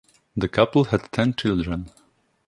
The couple had ten children.